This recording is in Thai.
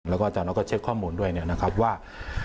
แล้วก็อาจารย์ออสก็เช็คข้อมูลด้วยนะครับว่า